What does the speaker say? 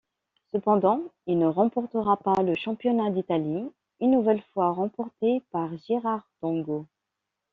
Cependant, il ne remportera pas le championnat d'Italie, une nouvelle fois remporté par Girardengo.